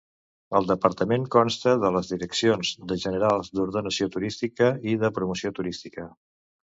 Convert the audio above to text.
El departament consta de les direccions generals d'Ordenació Turística i de Promoció Turística.